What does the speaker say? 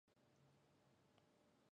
店を回りました。